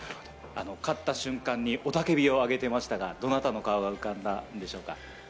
勝った瞬間に雄たけびを上げていましたが、どなたの顔が浮かんだんでしょうか？